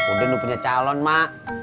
udah punya calon mak